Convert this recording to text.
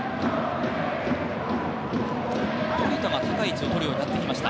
守田が高い位置を取るようになってきました。